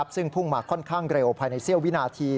ซึ่งพุ่งมาค่อนข้างเร็วภายในเสี้ยววินาที